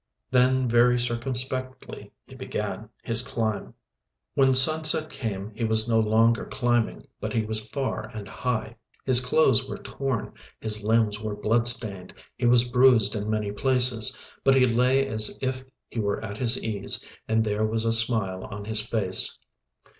Then very circumspectly he began his climb. When sunset came he was not longer climbing, but he was far and high. His clothes were torn, his limbs were bloodstained, he was bruised in many places, but he lay as if he were at his ease, and there was a smile on his face.